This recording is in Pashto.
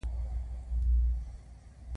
اولادونه د ژوند ښکلا ده